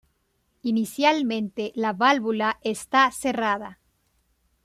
Inicialmente la válvula está cerrada.